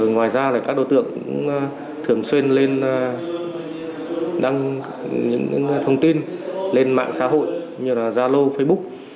ngoài ra các đối tượng thường xuyên lên đăng những thông tin lên mạng xã hội như zalo facebook